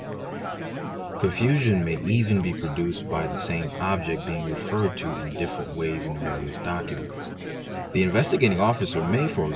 Confusion may even Do ee ie sl GO er he cr be produced by the same object being referred to in different ways in yarious documents. The Investigating Officer may, e.g.